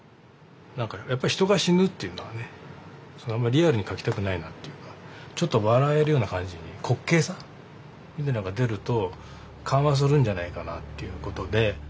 やっぱり人が死ぬというのはねあんまりリアルに描きたくないなっていうかちょっと笑えるような感じに滑稽さみたいなのが出ると緩和するんじゃないかなっていうことで。